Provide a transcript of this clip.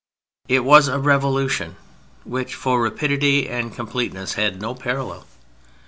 It was a revolution which for rapidity and completeness has no parallel.